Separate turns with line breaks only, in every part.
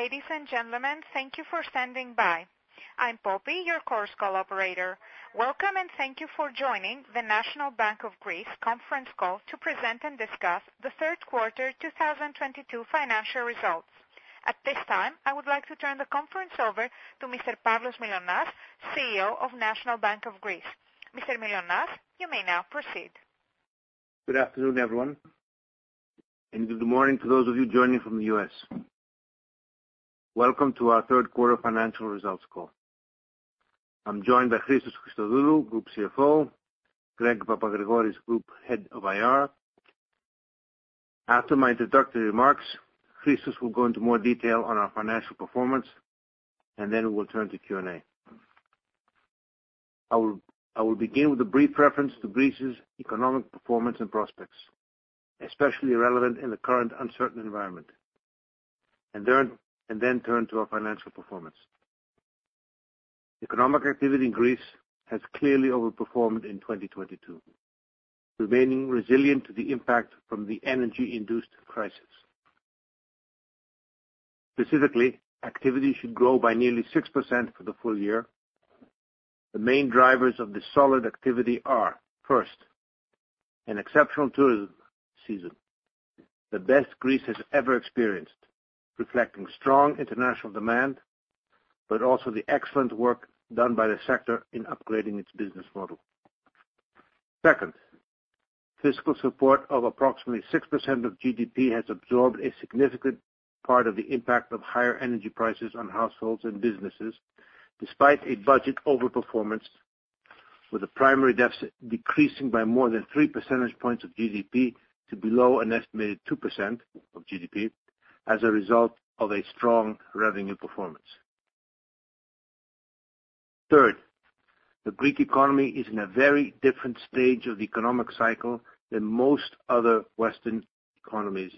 Ladies and gentlemen, thank you for standing by. I'm Poppy, your conference call operator. Welcome, and thank you for joining the National Bank of Greece conference call to present and discuss the third quarter 2022 financial results. At this time, I would like to turn the conference over to Mr. Pavlos Mylonas, CEO of National Bank of Greece. Mr. Mylonas, you may now proceed.
Good afternoon, everyone, and good morning to those of you joining from the US. Welcome to our third quarter financial results call. I'm joined by Christos Christodoulou, Group CFO, Grigoris Papagrigoris, Group Head of IR. After my introductory remarks, Christos will go into more detail on our financial performance, and then we will turn to Q&A. I will begin with a brief reference to Greece's economic performance and prospects, especially relevant in the current uncertain environment, and then turn to our financial performance. Economic activity in Greece has clearly overperformed in 2022, remaining resilient to the impact from the energy-induced crisis. Specifically, activity should grow by nearly 6% for the full year. The main drivers of this solid activity are, first, an exceptional tourism season, the best Greece has ever experienced, reflecting strong international demand, but also the excellent work done by the sector in upgrading its business model. Second, fiscal support of approximately 6% of GDP has absorbed a significant part of the impact of higher energy prices on households and businesses, despite a budget overperformance, with the primary deficit decreasing by more than three percentage points of GDP to below an estimated 2% of GDP as a result of a strong revenue performance. Third, the Greek economy is in a very different stage of the economic cycle than most other Western economies.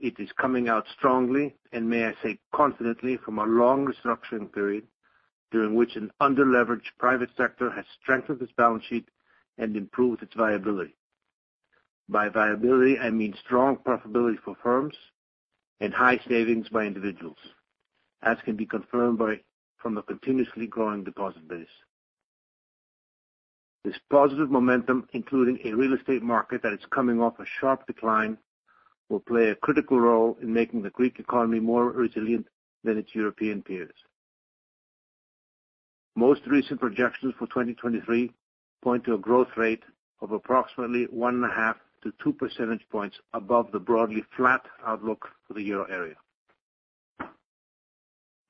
It is coming out strongly, and may I say confidently, from a long restructuring period during which an underleveraged private sector has strengthened its balance sheet and improved its viability. By viability, I mean strong profitability for firms and high savings by individuals, as can be confirmed from a continuously growing deposit base. This positive momentum, including a real estate market that is coming off a sharp decline, will play a critical role in making the Greek economy more resilient than its European peers. Most recent projections for 2023 point to a growth rate of approximately 1.5-2 percentage points above the broadly flat outlook for the Euro area.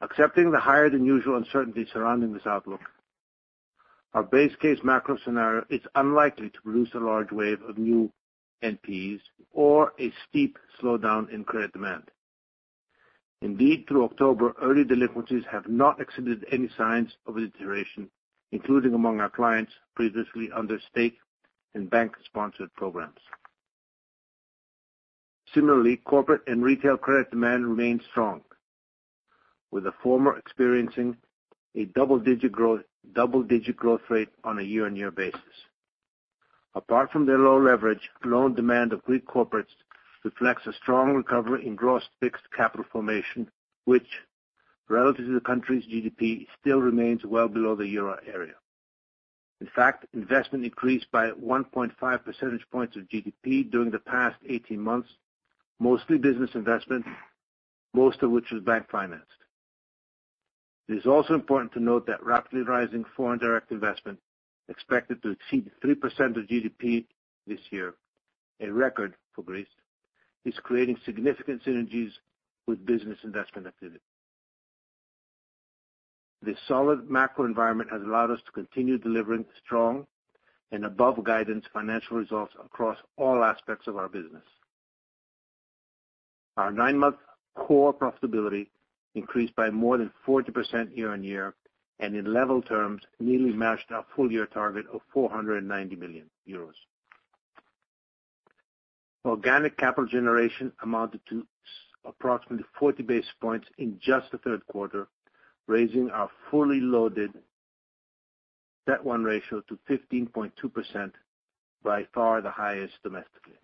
Accepting the higher than usual uncertainty surrounding this outlook, our base case macro scenario is unlikely to produce a large wave of new NPs or a steep slowdown in credit demand. Indeed, through October, early delinquencies have not exhibited any signs of deterioration, including among our clients previously under state and bank-sponsored programs. Similarly, corporate and retail credit demand remains strong, with the former experiencing a double-digit growth rate on a year-on-year basis. Apart from their low leverage, loan demand of Greek corporates reflects a strong recovery in gross fixed capital formation, which relative to the country's GDP, still remains well below the Euro area. In fact, investment increased by 1.5 percentage points of GDP during the past 18 months, mostly business investment, most of which was bank-financed. It is also important to note that rapidly rising foreign direct investment, expected to exceed 3% of GDP this year, a record for Greece, is creating significant synergies with business investment activity. The solid macro environment has allowed us to continue delivering strong and above guidance financial results across all aspects of our business. Our nine-month core profitability increased by more than 40% year-on-year, and in level terms, nearly matched our full year target of 490 million euros. Organic capital generation amounted to approximately 40 basis points in just the third quarter, raising our fully loaded CET1 ratio to 15.2%, by far the highest domestically.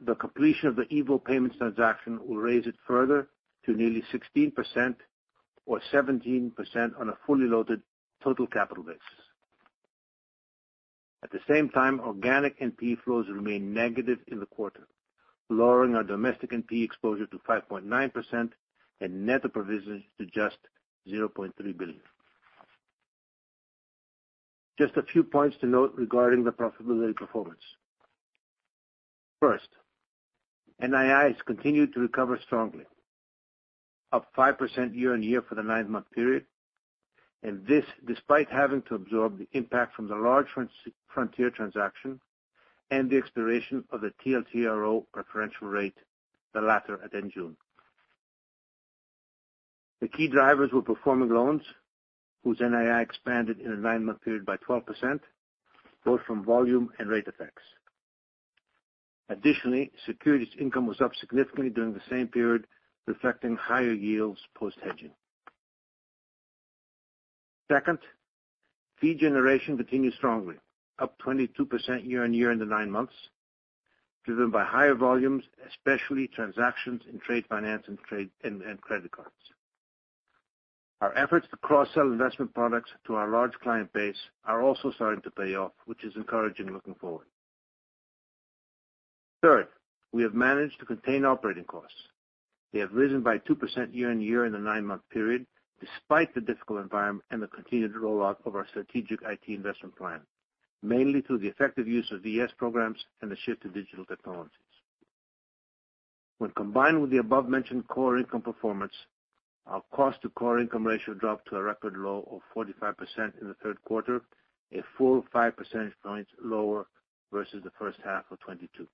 The completion of the EVO Payments transaction will raise it further to nearly 16% or 17% on a fully loaded total capital basis. At the same time, organic NP flows remain negative in the quarter, lowering our domestic NP exposure to 5.9% and net provisions to just 0.3 billion. Just a few points to note regarding the profitability performance. First, NII continued to recover strongly, up 5% year-on-year for the nine-month period. This, despite having to absorb the impact from the large Frontier transaction and the expiration of the TLTRO preferential rate, the latter at end June. The key drivers were performing loans whose NII expanded in the nine-month period by 12%, both from volume and rate effects. Additionally, securities income was up significantly during the same period, reflecting higher yields post-hedging. Second, fee generation continued strongly, up 22% year-on-year in the nine months, driven by higher volumes, especially transactions in trade finance, trade, and credit cards. Our efforts to cross-sell investment products to our large client base are also starting to pay off, which is encouraging looking forward. Third, we have managed to contain operating costs. They have risen by 2% year-on-year in the nine-month period, despite the difficult environment and the continued rollout of our strategic IT investment plan, mainly through the effective use of VRS programs and the shift to digital technologies. When combined with the above-mentioned core income performance, our cost to core income ratio dropped to a record low of 45% in the third quarter, a full 5 percentage points lower versus the first half of 2022.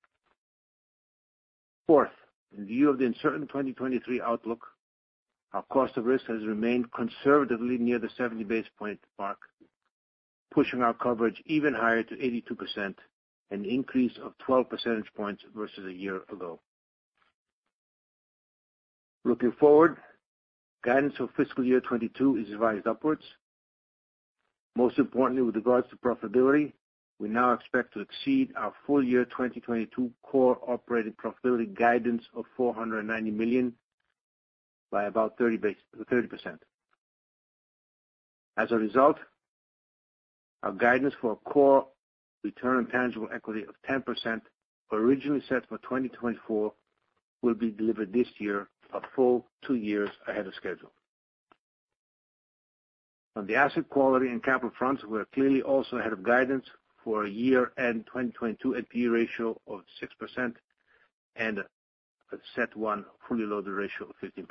Fourth, in view of the uncertain 2023 outlook, our cost of risk has remained conservatively near the 70 basis points mark, pushing our coverage even higher to 82%, an increase of 12 percentage points versus a year ago. Looking forward, guidance for fiscal year 2022 is revised upwards. Most importantly, with regards to profitability, we now expect to exceed our full year 2022 core operating profitability guidance of 490 million by about 30%. As a result, our guidance for a core return on tangible equity of 10%, originally set for 2024, will be delivered this year, a full two years ahead of schedule. On the asset quality and capital fronts, we are clearly also ahead of guidance for a year-end 2022 NPE ratio of 6% and a CET1 fully loaded ratio of 15%.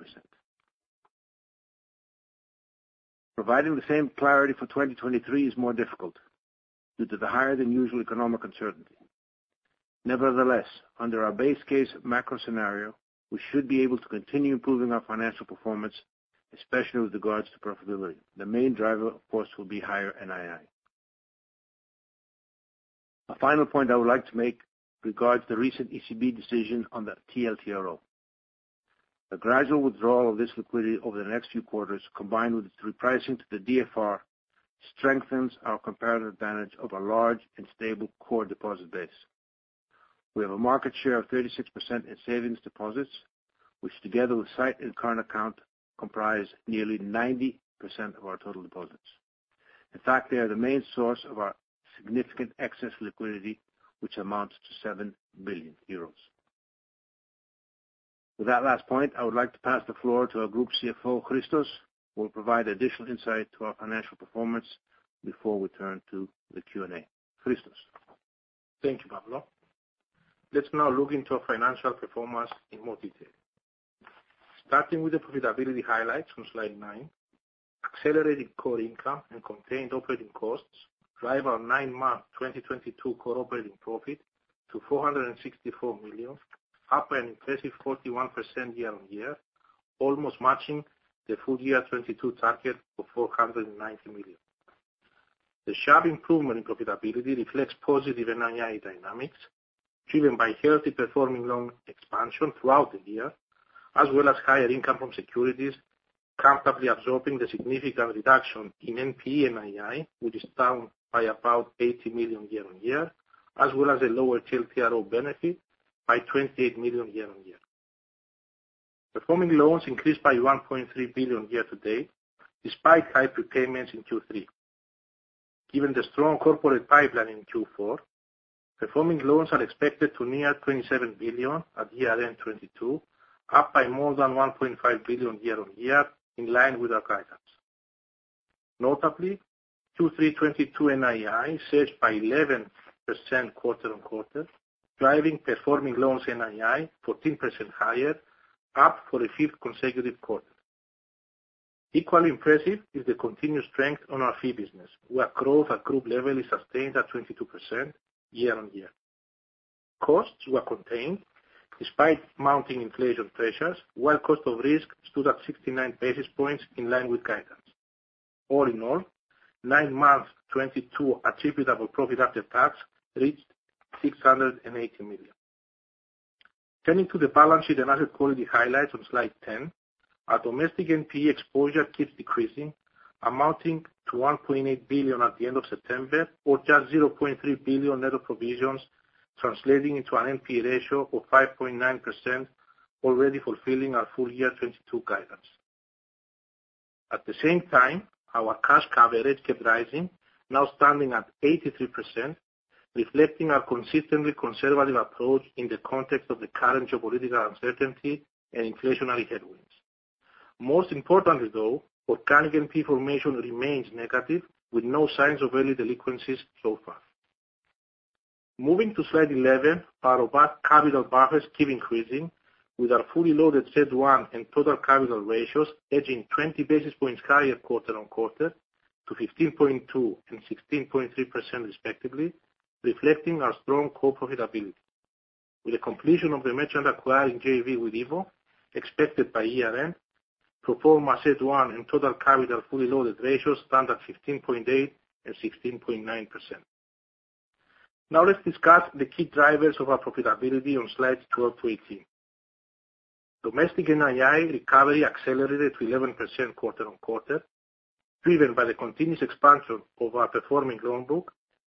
Providing the same clarity for 2023 is more difficult due to the higher than usual economic uncertainty. Nevertheless, under our base case macro scenario, we should be able to continue improving our financial performance, especially with regards to profitability. The main driver, of course, will be higher NII. A final point I would like to make regards the recent ECB decision on the TLTRO. A gradual withdrawal of this liquidity over the next few quarters, combined with the repricing to the DFR, strengthens our comparative advantage of a large and stable core deposit base. We have a market share of 36% in savings deposits, which together with sight and current account, comprise nearly 90% of our total deposits. In fact, they are the main source of our significant excess liquidity, which amounts to 7 billion euros. With that last point, I would like to pass the floor to our Group CFO, Christos, who will provide additional insight to our financial performance before we turn to the Q&A. Christos?
Thank you, Pavlos. Let's now look into our financial performance in more detail. Starting with the profitability highlights on slide nine, accelerated core income and contained operating costs drive our nine-month 2022 core operating profit to 464 million, up an impressive 41% year-on-year, almost matching the full-year 2022 target of 490 million. The sharp improvement in profitability reflects positive NII dynamics driven by healthy performing loan expansion throughout the year, as well as higher income from securities comfortably absorbing the significant reduction in fees and NII, which is down by about 80 million year-on-year, as well as a lower TLTRO benefit by 28 million year-on-year. Performing loans increased by 1.3 billion year to date, despite high prepayments in Q3. Given the strong corporate pipeline in Q4, performing loans are expected to near 27 billion at year-end 2022, up by more than 1.5 billion year-on-year, in line with our guidance. Notably, Q3 2022 NII surged by 11% quarter-on-quarter, driving performing loans NII 14% higher, up for the fifth consecutive quarter. Equally impressive is the continued strength on our fee business, where growth at group level is sustained at 22% year-on-year. Costs were contained despite mounting inflation pressures, while cost of risk stood at 69 basis points in line with guidance. All in all, nine-month 2022 attributable profit after tax reached 680 million. Turning to the balance sheet and asset quality highlights on slide 10, our domestic NPE exposure keeps decreasing, amounting to 1.8 billion at the end of September, or just 0.3 billion net of provisions, translating into an NPE ratio of 5.9%, already fulfilling our full-year 2022 guidance. At the same time, our cash coverage kept rising, now standing at 83%, reflecting our consistently conservative approach in the context of the current geopolitical uncertainty and inflationary headwinds. Most importantly, though, organic NPE formation remains negative, with no signs of early delinquencies so far. Moving to slide 11, our robust capital buffers keep increasing, with our fully loaded CET1 and total capital ratios edging 20 basis points higher quarter-on-quarter to 15.2% and 16.3% respectively, reflecting our strong core profitability. With the completion of the merchant acquiring JV with EVO expected by year-end, pro forma CET1 and total capital fully loaded ratios stand at 15.8% and 16.9%. Now let's discuss the key drivers of our profitability on slides 12 to 18. Domestic NII recovery accelerated to 11% quarter-on-quarter, driven by the continuous expansion of our performing loan book,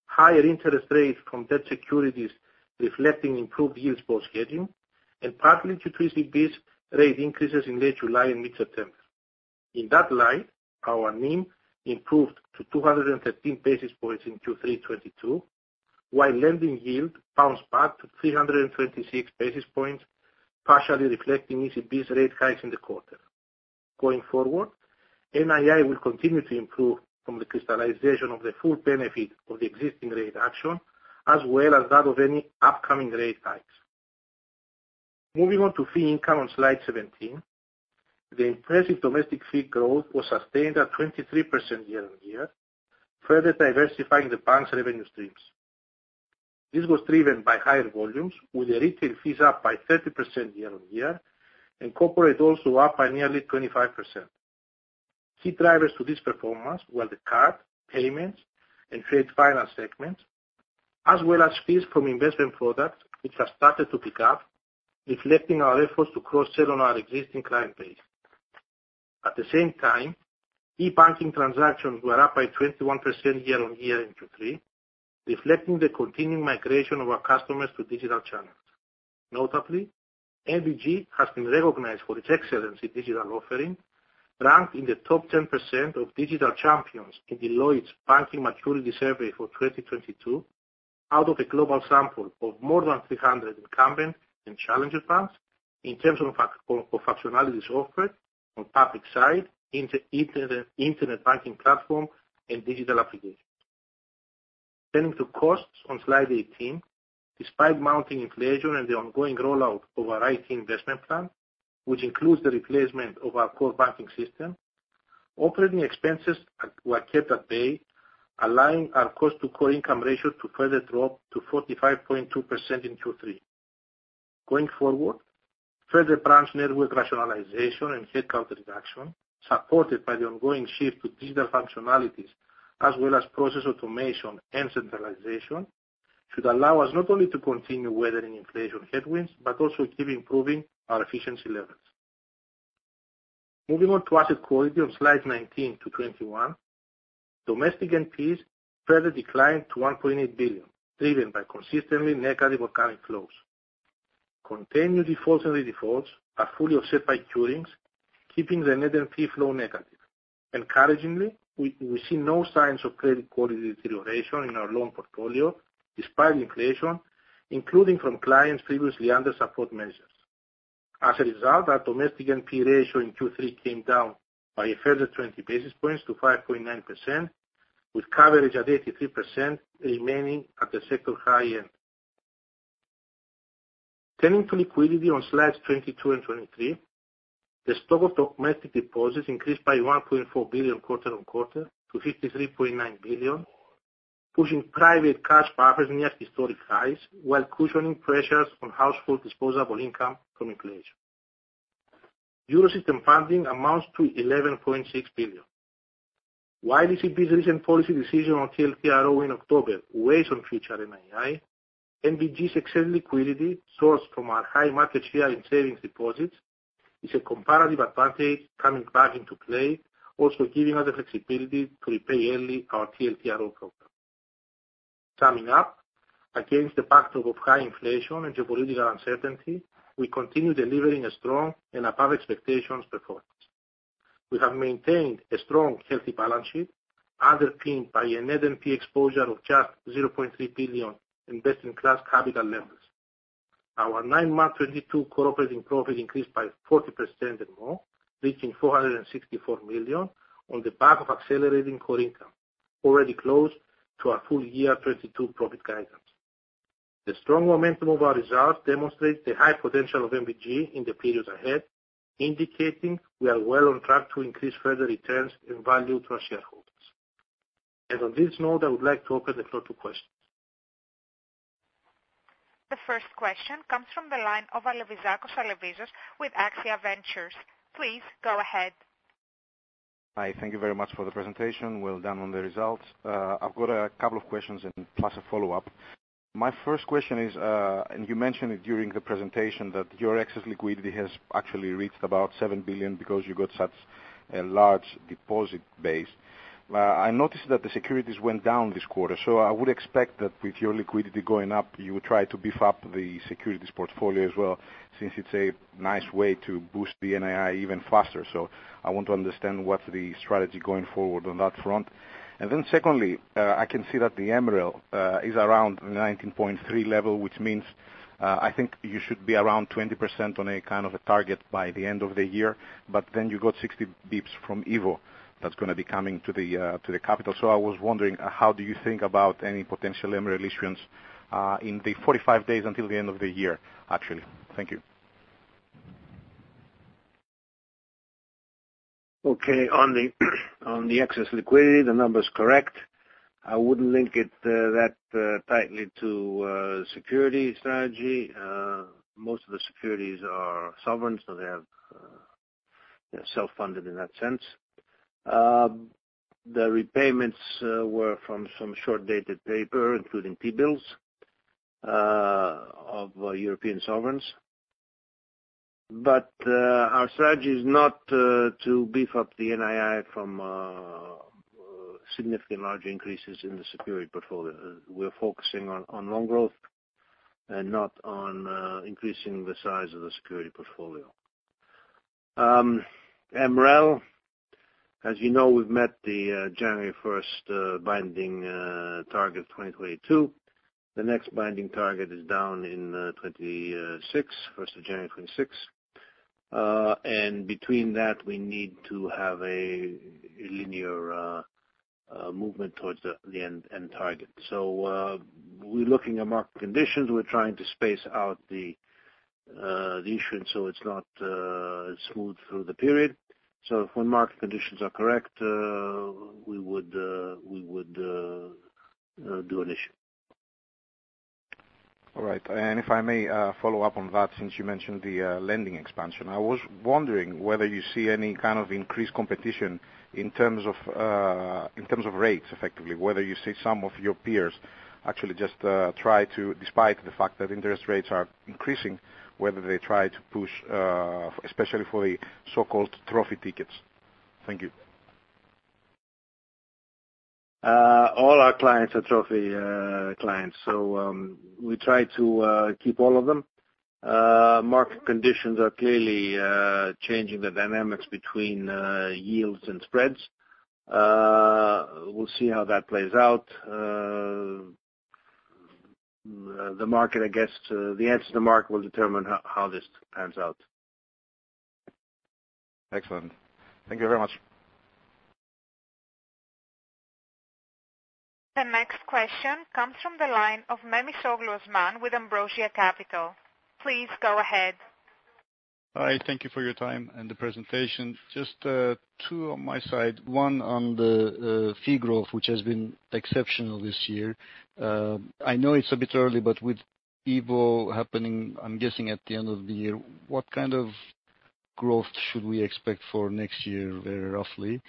higher interest rates from debt securities reflecting improved yield from rescheduling, and partly due to ECB's rate increases in late July and mid-September. In that light, our NIM improved to 213 basis points in Q3 2022, while lending yield bounced back to 326 basis points, partially reflecting ECB's rate hikes in the quarter. Going forward, NII will continue to improve from the crystallization of the full benefit of the existing rate action as well as that of any upcoming rate hikes. Moving on to fee income on slide 17. The impressive domestic fee growth was sustained at 23% year-on-year, further diversifying the bank's revenue streams. This was driven by higher volumes with the retail fees up by 30% year-on-year and corporate also up by nearly 25%. Key drivers to this performance were the card, payments and trade finance segments, as well as fees from investment products which have started to pick up, reflecting our efforts to cross-sell on our existing client base. At the same time, e-banking transactions were up by 21% year-on-year in Q3, reflecting the continuing migration of our customers to digital channels. Notably, NBG has been recognized for its excellence in digital offering, ranked in the top 10% of digital champions in Deloitte's Banking Maturity survey for 2022 out of a global sample of more than 300 incumbent and challenger banks in terms of functionalities offered on public side, internet banking platform and digital applications. Turning to costs on slide 18. Despite mounting inflation and the ongoing rollout of our IT investment plan, which includes the replacement of our core banking system, operating expenses were kept at bay, allowing our cost to core income ratio to further drop to 45.2% in Q3. Going forward, further branch network rationalization and headcount reduction, supported by the ongoing shift to digital functionalities as well as process automation and centralization, should allow us not only to continue weathering inflation headwinds but also keep improving our efficiency levels. Moving on to asset quality on slides 19-21. Domestic NPs further declined to 1.8 billion, driven by consistently negative organic flows. Continued defaults and redefaults are fully offset by curings, keeping the net NP flow negative. Encouragingly, we see no signs of credit quality deterioration in our loan portfolio despite inflation, including from clients previously under support measures. As a result, our domestic NP ratio in Q3 came down by a further 20 basis points to 5.9%, with coverage at 83% remaining at the sector high end. Turning to liquidity on slides 22 and 23. The stock of domestic deposits increased by 1.4 billion quarter-on-quarter to 53.9 billion, pushing private cash buffers near historic highs while cushioning pressures on household disposable income from inflation. Eurosystem funding amounts to 11.6 billion. While the ECB's recent policy decision on TLTRO in October weighs on future NII, NBG's excess liquidity sourced from our high market share in savings deposits is a comparative advantage coming back into play, also giving us the flexibility to repay early our TLTRO program. Summing up, against the backdrop of high inflation and geopolitical uncertainty, we continue delivering a strong and above expectations performance. We have maintained a strong, healthy balance sheet underpinned by a net NP exposure of just 0.3 billion in best-in-class capital levels. Our nine-month 2022 core operating profit increased by 40% and more, reaching 464 million on the back of accelerating core income already close to our full year 2022 profit guidance. The strong momentum of our results demonstrates the high potential of NBG in the periods ahead, indicating we are well on track to increase further returns and value to our shareholders. On this note, I would like to open the floor to questions.
The first question comes from the line of Alevizos Alevizakos with Axia Ventures. Please go ahead.
Hi. Thank you very much for the presentation. Well done on the results. I've got a couple of questions and plus a follow-up. My first question is, you mentioned it during the presentation that your excess liquidity has actually reached about 7 billion because you got such a large deposit base. I noticed that the securities went down this quarter, so I would expect that with your liquidity going up, you would try to beef up the securities portfolio as well, since it's a nice way to boost the NII even faster. I want to understand what's the strategy going forward on that front. Then secondly, I can see that the MREL is around 19.3 level, which means, I think you should be around 20% on a kind of a target by the end of the year. You got 60 basis points from EVO that's gonna be coming to the capital. I was wondering, how do you think about any potential MREL issuance in the 45 days until the end of the year, actually? Thank you.
Okay. On the excess liquidity, the number is correct. I wouldn't link it that tightly to securities strategy. Most of the securities are sovereign, so they have. They're self-funded in that sense. The repayments were from some short-dated paper, including T-bills, of European sovereigns. Our strategy is not to beef up the NII from significant large increases in the security portfolio. We're focusing on loan growth and not on increasing the size of the security portfolio. MREL, as you know, we've met the January first binding target of 2022. The next binding target is down in 2026, first of January 2026. Between that, we need to have a linear movement towards the end target. We're looking at market conditions. We're trying to space out the issuance, so it's not smooth through the period. When market conditions are correct, we would do an issue.
All right. If I may, follow up on that since you mentioned the lending expansion. I was wondering whether you see any kind of increased competition in terms of rates effectively. Whether you see some of your peers actually just, despite the fact that interest rates are increasing, whether they try to push, especially for the so-called trophy tickets. Thank you.
All our clients are trophy clients, so we try to keep all of them. Market conditions are clearly changing the dynamics between yields and spreads. We'll see how that plays out. The market, I guess, the answer to market will determine how this pans out.
Excellent. Thank you very much.
The next question comes from the line of Osman Memisoglu with Ambrosia Capital. Please go ahead.
Hi, thank you for your time and the presentation. Just two on my side. One on the fee growth, which has been exceptional this year. I know it's a bit early, but with EVO happening, I'm guessing at the end of the year, what kind of growth should we expect for next year very roughly?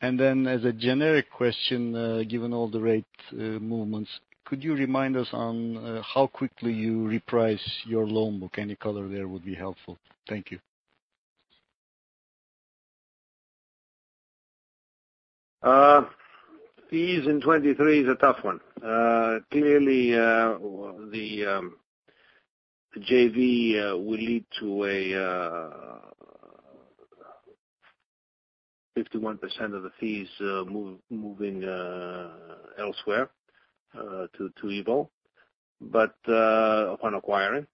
And then as a generic question, given all the rate movements, could you remind us on how quickly you reprice your loan book? Any color there would be helpful. Thank you.
Fees in 2023 is a tough one. Clearly, the JV will lead to 51% of the fees moving elsewhere to EVO, but upon acquiring.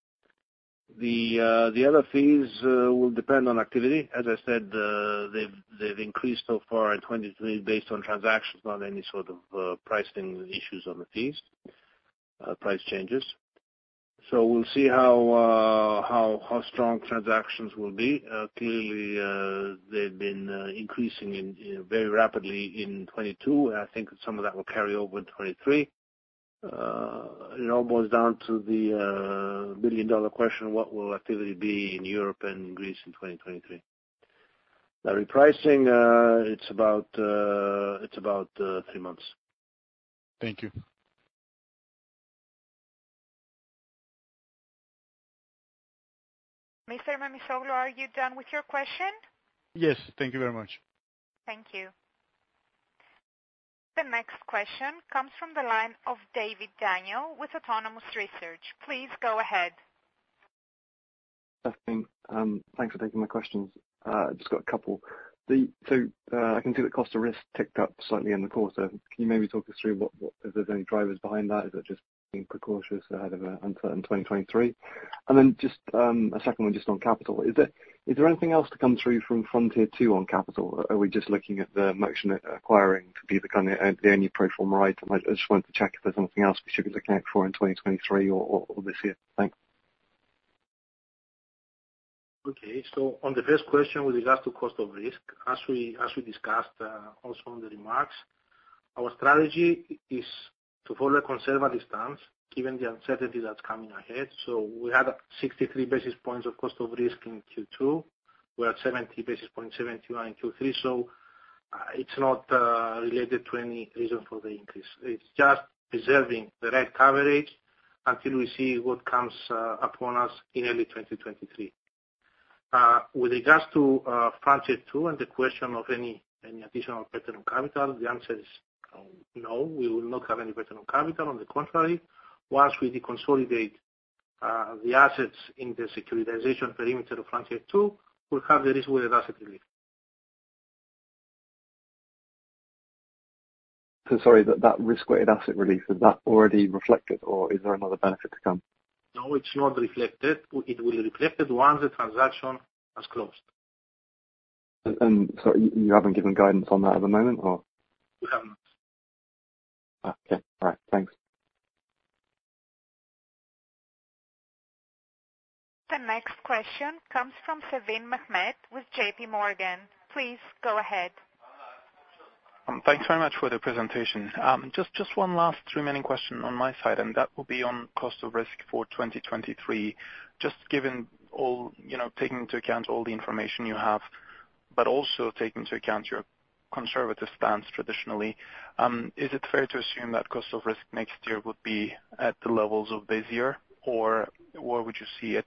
The other fees will depend on activity. As I said, they've increased so far in 2023 based on transactions, not any sort of pricing issues on the fees, price changes. We'll see how strong transactions will be. Clearly, they've been increasing very rapidly in 2022, and I think some of that will carry over in 2023. It all boils down to the billion-dollar question, what will activity be in Europe and Greece in 2023? The repricing, it's about three months.
Thank you.
Mr. Memisoglu, are you done with your question?
Yes. Thank you very much.
Thank you. The next question comes from the line of Daniel David with Autonomous Research. Please go ahead.
Good afternoon. Thanks for taking my questions. I've just got a couple. I can see the cost of risk ticked up slightly in the quarter. Can you maybe talk us through if there's any drivers behind that? Is it just being precautionary ahead of uncertain 2023? Just a second one just on capital. Is there anything else to come through from Frontier II on capital? Are we just looking at the monetization acquiring to be the kind, the only pro forma item? I just wanted to check if there's anything else we should be looking out for in 2023 or this year. Thanks.
Okay. On the first question with regards to cost of risk, as we discussed, also on the remarks, our strategy is to follow a conservative stance given the uncertainty that's coming ahead. We had 63 basis points of cost of risk in Q2. We're at 70 basis points, 71 Q3. It's not related to any reason for the increase. It's just preserving the right coverage until we see what comes upon us in early 2023. With regards to Frontier II and the question of any additional capital, the answer is no. We will not have any additional capital. On the contrary, once we deconsolidate the assets in the securitization perimeter of Frontier II, we'll have the risk-weighted asset relief.
Sorry, that risk-weighted asset release, is that already reflected, or is there another benefit to come?
No, it's not reflected. It will be reflected once the transaction has closed.
Sorry, you haven't given guidance on that at the moment, or?
We have not.
Okay. All right. Thanks.
The next question comes from Mehmet Sevim with JPMorgan. Please go ahead.
Thanks very much for the presentation. Just one last remaining question on my side, that will be on cost of risk for 2023. Just given all, you know, taking into account all the information you have, but also taking into account your conservative stance traditionally, is it fair to assume that cost of risk next year would be at the levels of this year or where would you see it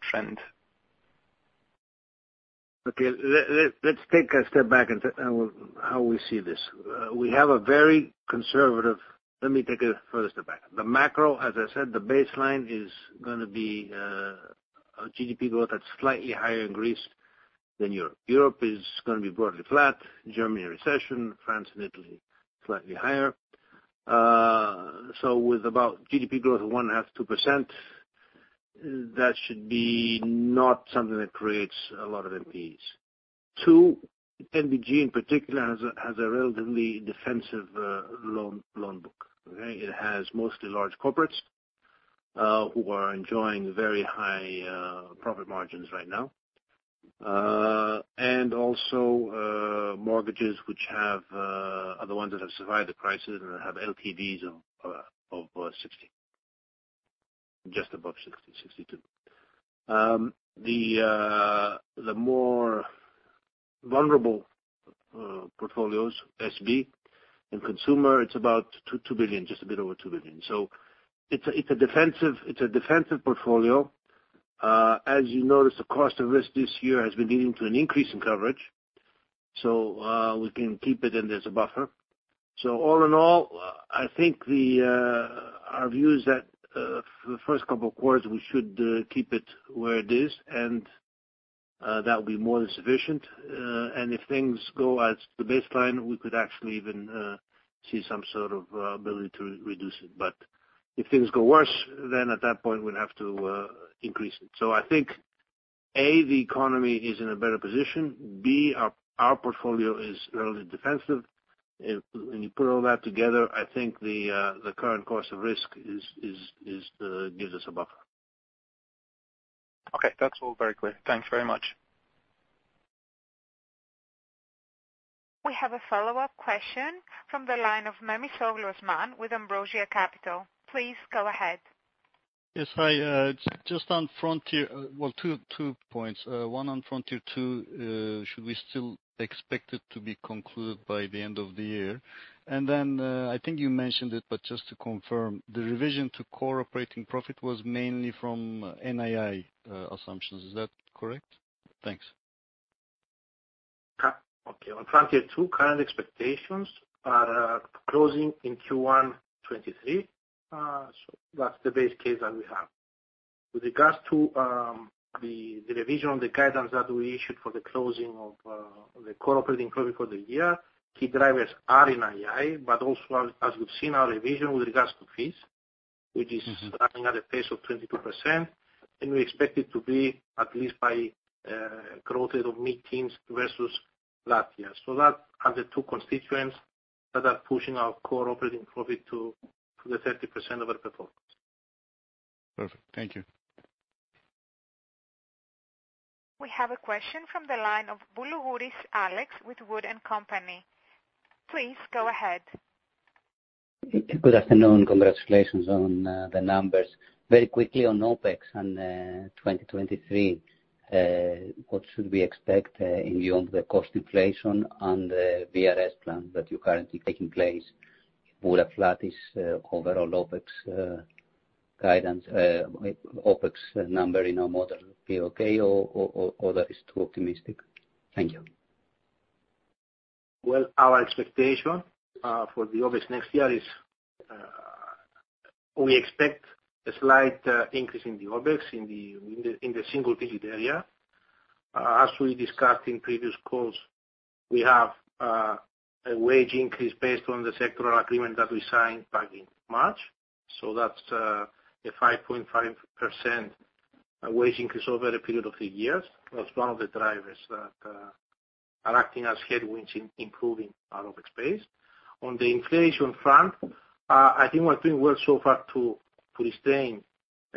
trend?
Let me take a further step back. The macro, as I said, the baseline is gonna be a GDP growth at slightly higher in Greece than Europe. Europe is gonna be broadly flat. Germany, recession. France and Italy, slightly higher. With about GDP growth of 1.5%-2%, that should be not something that creates a lot of NPEs. Two, NBG in particular has a relatively defensive loan book. Okay. It has mostly large corporates who are enjoying very high profit margins right now. Also, mortgages which are the ones that have survived the crisis and have LTVs of 60, just above 60, 62. The more vulnerable portfolios, SB and consumer, it's about 2 billion, just a bit over 2 billion. It's a defensive portfolio. As you notice, the cost of risk this year has been leading to an increase in coverage, so we can keep it in as a buffer. All in all, I think our view is that for the first couple of quarters we should keep it where it is and that will be more than sufficient. If things go as the baseline, we could actually even see some sort of ability to reduce it. If things go worse, then at that point we'd have to increase it. I think, A, the economy is in a better position. B, our portfolio is relatively defensive. When you put all that together, I think the current cost of risk gives us a buffer.
Okay, that's all very clear. Thanks very much.
We have a follow-up question from the line of Osman Memisoglu with Ambrosia Capital. Please go ahead.
Yes. Hi. Just on Frontier. Well, two points. One on Frontier II, should we still expect it to be concluded by the end of the year? I think you mentioned it, but just to confirm, the revision to core operating profit was mainly from NII assumptions. Is that correct? Thanks.
Okay. On Frontier II, current expectations are closing in Q1 2023. That's the base case that we have. With regards to the revision of the guidance that we issued for the closing of the core operating profit for the year, key drivers are in NII, but also as we've seen our revision with regards to fees, which is running at a pace of 22%, and we expect it to be at least by growth rate of mid-teens versus last year. That are the two constituents that are pushing our core operating profit to the 30% of our performance.
Perfect. Thank you.
We have a question from the line of Alex Boulougouris with Wood & Company. Please go ahead.
Good afternoon. Congratulations on the numbers. Very quickly on OpEx and 2023, what should we expect in view of the cost inflation and VRS plan that's currently taking place? Would a flattish overall OpEx guidance OpEx number in our model be okay or that is too optimistic? Thank you.
Well, our expectation for the OpEx next year is, we expect a slight increase in the OpEx in the single digit area. As we discussed in previous calls, we have a wage increase based on the sectoral agreement that we signed back in March. That's a 5.5% wage increase over a period of eight years. That's one of the drivers that are acting as headwinds in improving our OpEx space. On the inflation front, I think we're doing well so far to restrain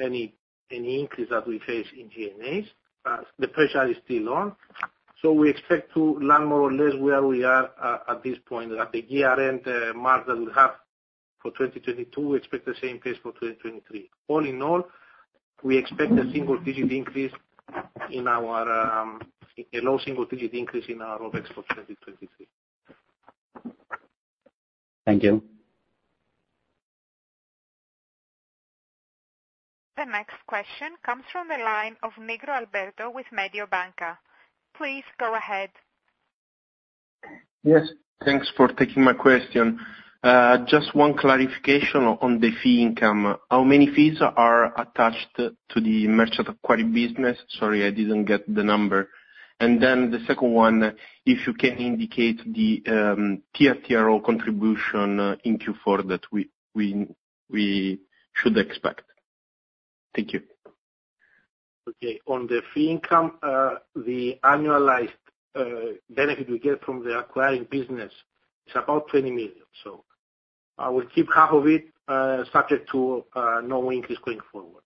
any increase that we face in G&A. The pressure is still on, so we expect to land more or less where we are at this point. At the year-end mark that we have for 2022, we expect the same pace for 2023.
All in all, we expect a low single-digit increase in our OpEx for 2023.
Thank you.
The next question comes from the line of Alberto Nigro with Mediobanca. Please go ahead.
Yes, thanks for taking my question. Just one clarification on the fee income. How many fees are attached to the merchant acquiring business? Sorry, I didn't get the number. The second one, if you can indicate the TLTRO contribution in Q4 that we should expect. Thank you.
Okay. On the fee income, the annualized benefit we get from the acquiring business is about 20 million. I will keep half of it, subject to no increase going forward.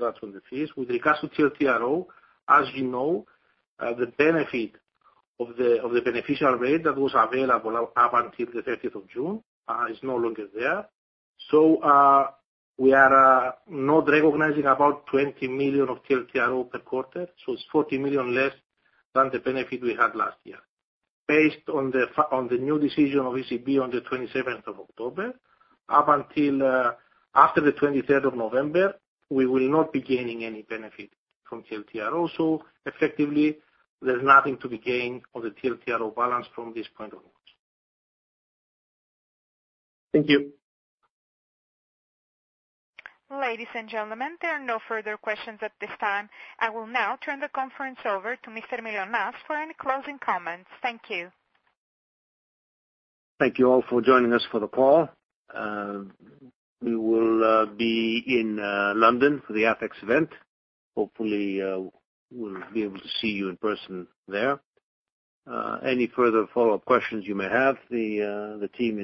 That's on the fees. With regards to TLTRO, as you know, the benefit of the beneficial rate that was available up until the 13th of June is no longer there. We are not recognizing about 20 million of TLTRO per quarter, so it's 40 million less than the benefit we had last year. Based on the new decision of ECB on the 27th of October, up until after the 23rd of November, we will not be gaining any benefit from TLTRO. Effectively, there's nothing to be gained on the TLTRO balance from this point onwards.
Thank you.
Ladies and gentlemen, there are no further questions at this time. I will now turn the conference over to Mr. Mylonas for any closing comments. Thank you.
Thank you all for joining us for the call. We will be in London for the ATHEX event. Hopefully, we'll be able to see you in person there. Any further follow-up questions you may have, the team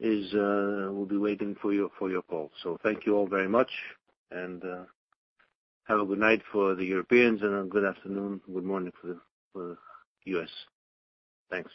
will be waiting for your call. Thank you all very much, and have a good night for the Europeans and a good afternoon, good morning for the US. Thanks.